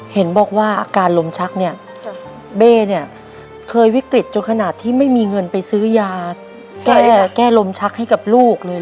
เห็นบอกว่าอาการลมชักเนี่ยเบ้เนี่ยเคยวิกฤตจนขนาดที่ไม่มีเงินไปซื้อยาแก้ลมชักให้กับลูกเลย